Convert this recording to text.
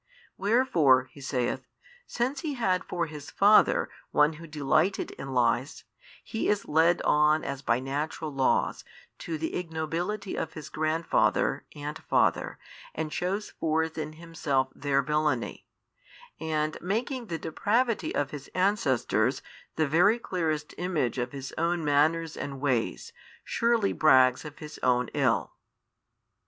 Wherefore (He saith) since he had for his father one who delighted in lies, he is led on as by natural laws to the ignobility of his grandfather and father and shews forth in himself their villainy, and making the depravity of his ancestors the very clearest image of his own manners and ways, surely brags of his own ill.